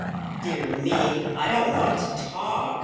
"Dear me! I don't want to talk!